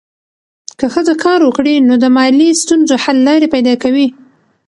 که ښځه کار وکړي، نو د مالي ستونزو حل لارې پیدا کوي.